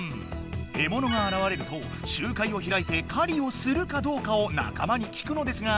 えものがあらわれると集会をひらいて狩りをするかどうかをなかまに聞くのですが